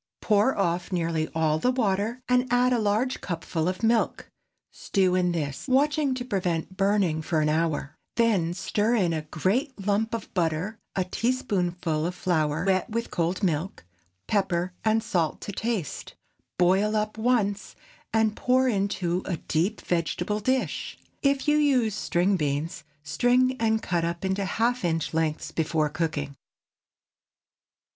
Pour off nearly all the water, and add a large cupful of milk. Stew in this, watching to prevent burning, for an hour; then stir in a great lump of butter, a teaspoonful of flour wet with cold milk, pepper and salt to taste. Boil up once, and pour into a deep vegetable dish. If you use string beans, string and cut up into half inch lengths before cooking.